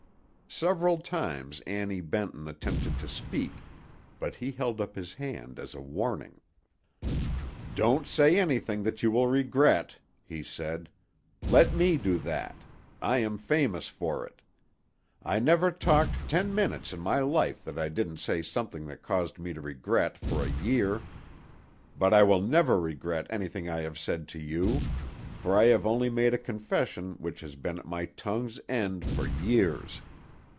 Several times Annie Benton attempted to speak, but he held up his hand as a warning. "Don't say anything that you will regret," he said. "Let me do that; I am famous for it. I never talked ten minutes in my life that I didn't say something that caused me regret for a year. But I will never regret anything I have said to you, for I have only made a confession which has been at my tongue's end for years.